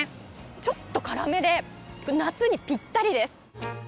ちょっと辛めで夏にピッタリです。